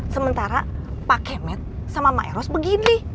sementara pak kemet sama mak eros begini